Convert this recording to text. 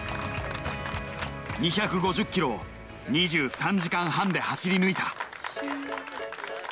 ２５０ｋｍを２３時間半で走り抜いた。